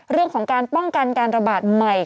เรื่องของการป้องกันการระบาดใหม่